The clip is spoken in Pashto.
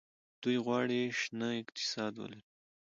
دوی غواړي شنه اقتصاد ولري.